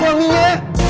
saya bukan suaminya